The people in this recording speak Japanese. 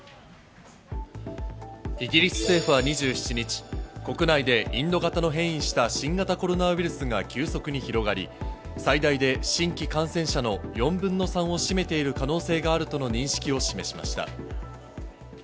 イギリス政府は２７日、国内でインド型の変異した新型コロナウイルスが急速に広がり、最大で新規感染者の４分の３を占めている可能性があるとの認識を示しました。